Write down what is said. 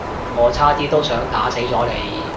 我差啲都打死咗你